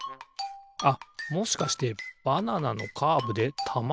あっもしかしてバナナのカーブでたまがターンする？